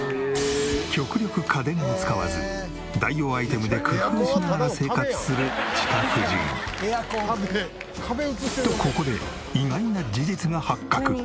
極力家電を使わず代用アイテムで工夫しながら生活するチカ婦人。とここで意外な事実が発覚。